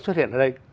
xuất hiện ở đây